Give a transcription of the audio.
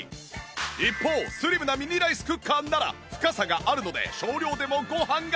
一方スリムなミニライスクッカーなら深さがあるので少量でもご飯が対流！